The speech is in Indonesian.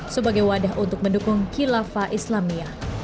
sebagai wadah untuk mendukung kilafah islamia